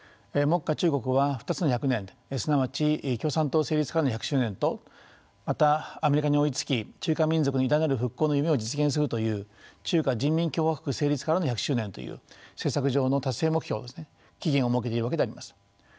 目下中国は２つの１００年すなわち共産党成立からの１００周年とまたアメリカに追いつき中華民族の偉大なる復興の夢を実現するという中華人民共和国成立からの１００周年という政策上の達成目標期限を設けているわけであります。